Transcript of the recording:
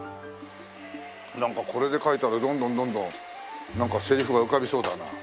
なんかこれで書いたらどんどんどんどんセリフが浮かびそうだな。